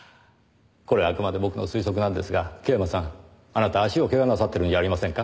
これはあくまで僕の推測なんですが桂馬さんあなた足を怪我なさってるんじゃありませんか？